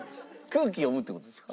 空気読むって事ですか？